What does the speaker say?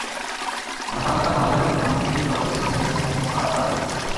অনেক হতাশার মাঝেও মানুষ সিটি করপোরেশন নির্বাচন নিয়ে একটু আশার আলো দেখতে চেয়েছিল।